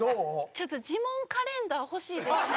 ちょっとジモンカレンダー欲しいですね。